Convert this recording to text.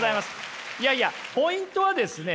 いやいやポイントはですね